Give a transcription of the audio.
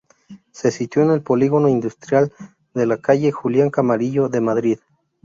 Se situó en el Polígono Industrial de la calle Julián Camarillo de Madrid.